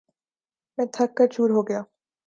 میں تھک کر چُور ہوگیا